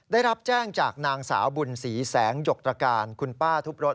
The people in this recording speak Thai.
ได้รับแจ้งจากนางสาวบุญศรีแสงหยกตรการคุณป้าทุบรถ